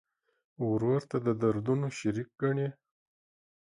ورور ته د دردونو شریک ګڼې.